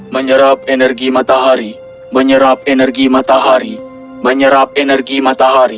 menyerap energi matahari menyerap energi matahari menyerap energi matahari